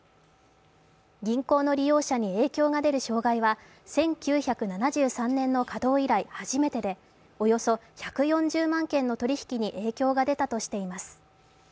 銀行の利用者に影響が出る障害は１９７３年の稼働以来初めてでおよそ１４０万件の取引に影響が出たとしています。